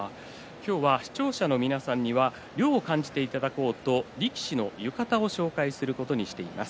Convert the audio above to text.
視聴者の皆さんには涼を感じていただこうと力士の浴衣を紹介していきます。